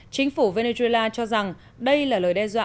chính phủ venezuela cho rằng đây là lời đe dọa